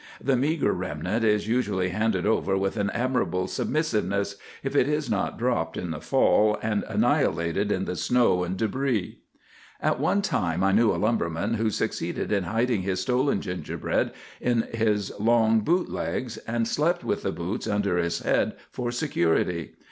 The meagre remnant is usually handed over with an admirable submissiveness, if it is not dropped in the fall, and annihilated in the snow and débris. "At one time I knew a lumberman who succeeded in hiding his stolen gingerbread in his long boot legs, and slept with the boots under his head for security.